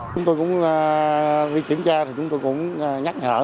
chúng tôi cũng đi kiểm tra thì chúng tôi cũng nhắc nhở